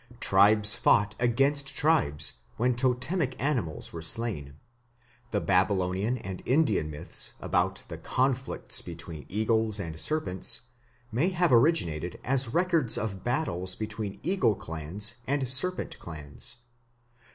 Tribes fought against tribes when totemic animals were slain. The Babylonian and Indian myths about the conflicts between eagles and serpents may have originated as records of battles between eagle clans and serpent clans.